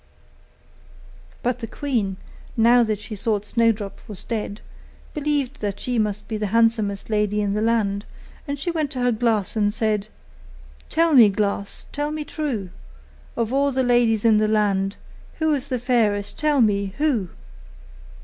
But the queen, now that she thought Snowdrop was dead, believed that she must be the handsomest lady in the land; and she went to her glass and said: 'Tell me, glass, tell me true! Of all the ladies in the land, Who is fairest, tell me, who?